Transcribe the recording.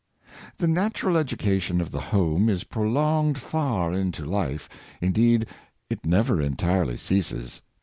HE natural education of the home is prolonged far into life — indeed, it never entirely ceases.